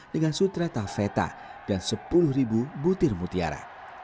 dengan sutreta feta dan sepuluh butir mutiara